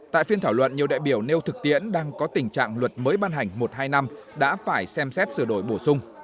tại phiên thảo luận nhiều đại biểu nêu thực tiễn đang có tình trạng luật mới ban hành một hai năm đã phải xem xét sửa đổi bổ sung